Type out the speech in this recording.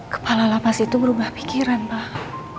kepala lapas itu berubah pikiran pak